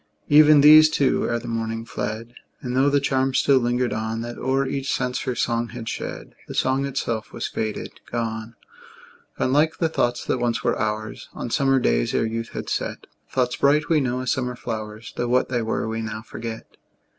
Even these, too, ere the morning, fled; And, tho' the charm still lingered on, That o'er each sense her song had shed, The song itself was faded, gone; Gone, like the thoughts that once were ours, On summer days, ere youth had set; Thoughts bright, we know, as summer flowers, Tho' what they were we now forget.